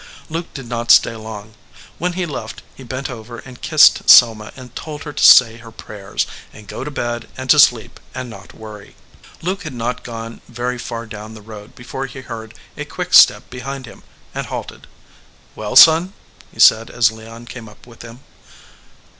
Luke did not stay long. When he left he bent over and kissed Selma and told her to say her prayers, and go to bed and to sleep and not worry. 183 EDGEWATER PEOPLE Luke had not gone very far down the road be fore he heard a quick step behind him, and halted. "Well, son ?" he said as Leon came up with him.